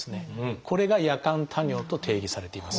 これが「夜間多尿」と定義されています。